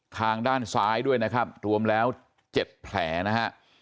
ทางด้านซ้ายด้วยนะครับรวมแล้ว๗แผลนะฮะ